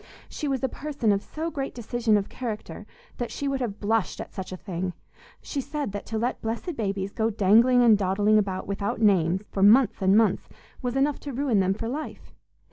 She was a person of so great decision of character that she would have blushed at such a thing; she said that to let blessed babies go dangling and dawdling about without names, for months and months, was enough to ruin them for life.